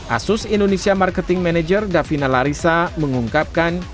asus indonesia marketing manager davina larissa mengungkapkan